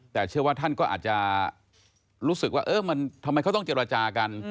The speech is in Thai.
แต่เชื่อว่าท่านก็อาจจะรู้สึกว่ามันทำไมเขาต้องเจรจากัน